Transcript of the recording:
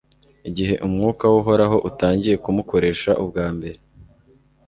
igihe umwuka w'uhoraho utangiye kumukoresha ubwa mbere